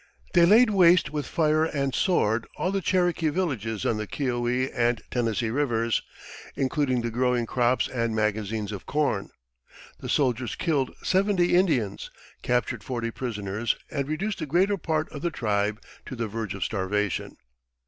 They laid waste with fire and sword all the Cherokee villages on the Keowee and Tennessee Rivers, including the growing crops and magazines of corn. The soldiers killed seventy Indians, captured forty prisoners, and reduced the greater part of the tribe to the verge of starvation.